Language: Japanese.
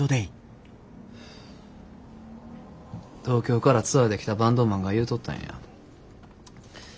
東京からツアーで来たバンドマンが言うとったんや。